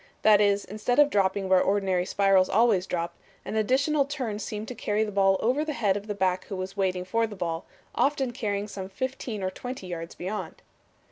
That is, instead of dropping where ordinary spirals always drop, an additional turn seemed to carry the ball over the head of the back who was waiting for the ball, often carrying some fifteen or twenty yards beyond."